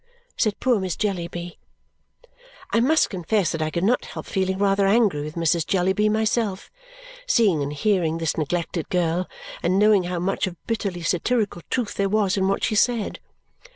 said poor Miss Jellyby. I must confess that I could not help feeling rather angry with Mrs. Jellyby myself, seeing and hearing this neglected girl and knowing how much of bitterly satirical truth there was in what she said.